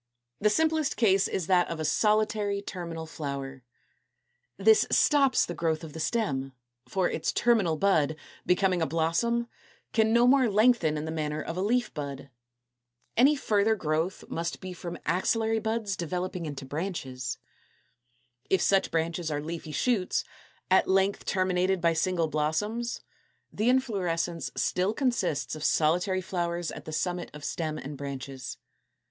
The simplest case is that of a solitary terminal flower, as in Fig. 210. This stops the growth of the stem; for its terminal bud, becoming a blossom, can no more lengthen in the manner of a leaf bud. Any further growth must be from axillary buds developing into branches. If such branches are leafy shoots, at length terminated by single blossoms, the inflorescence still consists of solitary flowers at the summit of stem and branches.